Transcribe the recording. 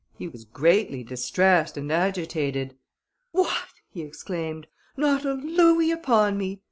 He was greatly distressed and agitated. "What!" he exclaimed, "not a louis upon me!